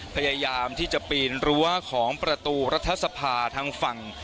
พยายามที่จะปีนรั้วของประตูรัฐสภาทางฝั่ง